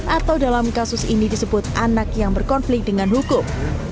atau dalam kasus ini disebut anak yang berkonflik dengan hukum